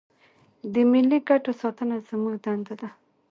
د ملي ګټو ساتنه زموږ دنده ده.